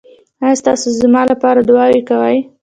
ایا تاسو زما لپاره دعا کوئ؟